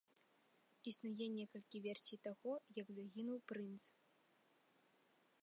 Існуе некалькі версій таго, як загінуў прынц.